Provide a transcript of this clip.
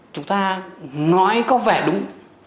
chúng ta nói có vẻ đúng